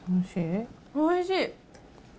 おいしい。